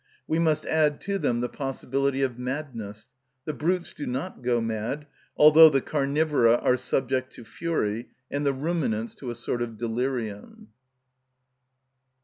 We must add to them the possibility of madness. The brutes do not go mad, although the carnivora are subject to fury, and the ruminants to a sort of delirium.